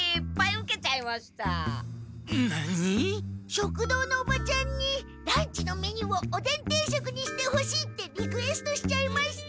食堂のおばちゃんにランチのメニューをおでん定食にしてほしいってリクエストしちゃいました！